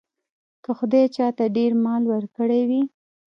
که خدای چاته ډېر مال ورکړی وي.